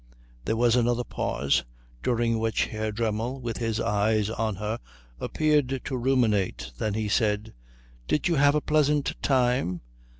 There was another pause, during which Herr Dremmel, with his eyes on hers, appeared to ruminate. Then he said, "Did you have a pleasant time?"